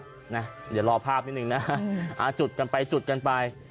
ยืนดีละรอภาพนิดนึงนะค่ะจุดกันไปจุดกันไป